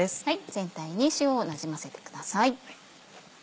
全体に塩をなじませてください。